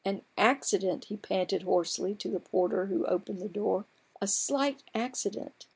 "An accident," he panted hoarsely to the porter who opened the door :" a slight accident